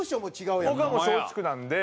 僕はもう松竹なんで。